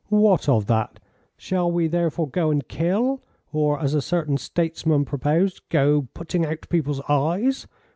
"What of that? Shall we therefore go and kill, or, as a certain statesman proposed, go putting out people's eyes?"